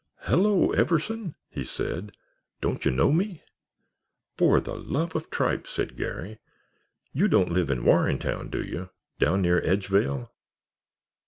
"Hello, Everson," said he. "Don't you know me?" "For the love of tripe!" said Garry. "You don't live in Warrentown, do you? Down near Edgevale?"